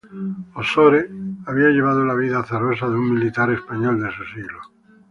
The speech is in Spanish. Osores había llevado la vida azarosa de un militar español de su siglo.